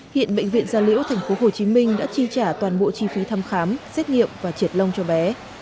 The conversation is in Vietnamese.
hiện bệnh viện gia liễu tp hcm đã chi trả toàn bộ chi phí thăm khám xét nghiệm và triệt lông cho bé